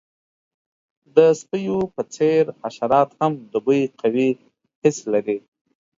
د سپیو په څیر، حشرات هم د بوی قوي حس لري.